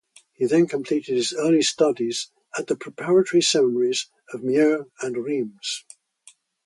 He then completed his early studies at the preparatory seminaries of Meaux and Reims.